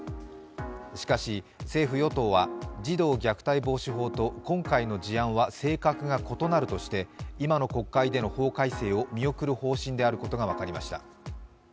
しかし、政府・与党は児童虐待防止法と今回の事案は性格が異なるとして、今の国会での法改正を見送る方針であることが分かりました。